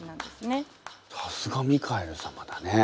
さすがミカエル様だね。